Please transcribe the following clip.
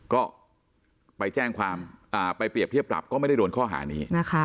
ก็ไปแจ้งความไปเปรียบเทียบปรับก็ไม่ได้โดนข้อหานี้